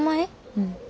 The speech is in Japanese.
うん。